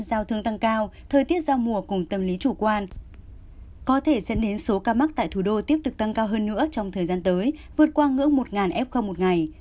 có thể dẫn đến số ca mắc tại thủ đô tiếp tục tăng cao hơn nữa trong thời gian tới vượt qua ngưỡng một f một ngày